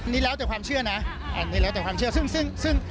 นี้แล้วแต่ความเชื่อนะนี้แล้วแต่ความเชื่อ